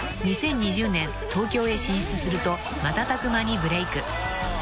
［２０２０年東京へ進出すると瞬く間にブレーク］